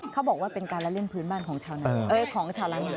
เขาบอกว่าเป็นการละเลี่ยงพื้นบ้านของชาวร้านเหนือ